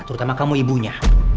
terutama kamu ibunya